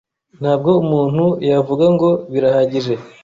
Nta bwo umuntu yavuga ngo birahagije